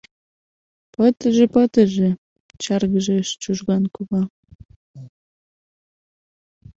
— Пытыже, пытыже! — чаргыжеш Чужган кува.